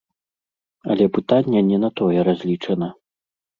Але пытанне не на тое разлічана.